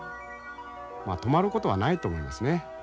止まることはないと思いますね